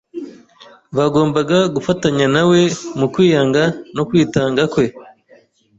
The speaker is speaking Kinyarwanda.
Bagombaga gufatanya nawe mu kwiyanga no kwitanga kwe.